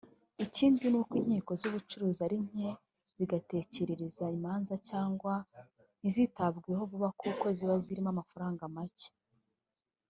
Ikindi ni uko inkiko z’ubucuruzi ari nke bigakerereza imanza cyangwa ntizitabweho vuba kuko ziba zirimo amafaranga make